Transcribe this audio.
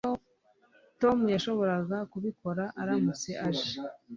Tom yashoboraga kubikora aramutse age